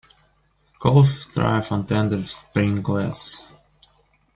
Calves thrive on tender spring grass.